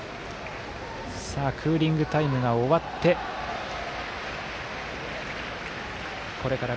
クーリングタイムが終わってこれから